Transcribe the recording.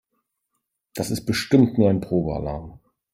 Das ist bestimmt nur ein Probealarm.